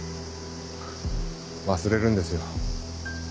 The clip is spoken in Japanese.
忘れるんですよ。